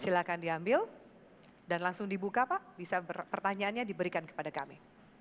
silahkan diambil dan langsung dibuka pak bisa pertanyaannya diberikan kepada kami